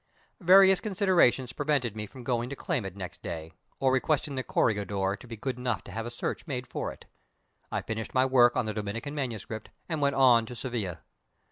Various considerations prevented me from going to claim it next day, or requesting the Corregidor to be good enough to have a search made for it. I finished my work on the Dominican manuscript, and went on to Seville.